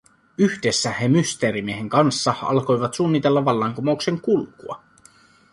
Yhdessä he Mysteerimiehen kanssa alkoivat suunnitella vallankumouksen kulkua.